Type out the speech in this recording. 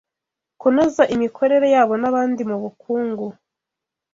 kunoza imikorere yabo nabandi mubukungu